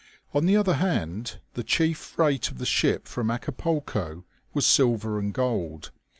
On the other hand, the chief freight of the ship from Acapulco was silver and gold.